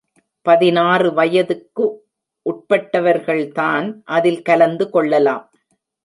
பதினாறு வயதுக்கு உட்பட்டவர்கள்தான் அதில் கலந்து கொள்ளலாம்.